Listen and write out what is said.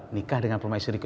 nikah dengan permaisuri ke dua